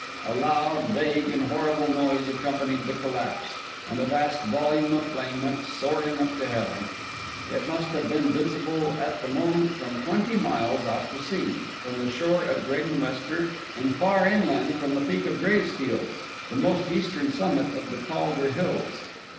A loud, vague, and horrible noise accompanied the collapse, and a vast volume of flame went soaring up to heaven. It must have been visible at that moment from twenty miles out at sea, from the shore at Graden Wester, and far inland from the peak of Graystiel, the most eastern summit of the Caulder Hills.